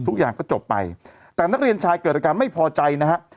ทุกอย่างก็จบไปแต่นักเรียนชายเกิดอาการไม่พอใจนะฮะ